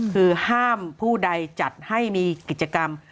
คือห้ามผู้ใดจัดให้มีกิจกรรม